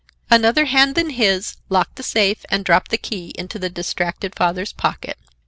Another hand than his locked the safe and dropped the key into the distracted father's pocket.